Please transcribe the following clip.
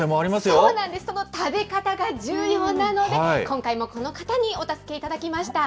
そうなんです、その食べ方が重要なので、今回もこの方にお助けいただきました。